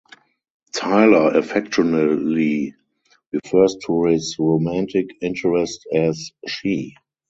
Tyler affectionately refers to his romantic interest as "She".